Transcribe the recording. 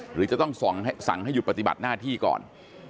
หรือจะต้องสั่งให้หยุดปฏิบัติหน้าที่ก่อน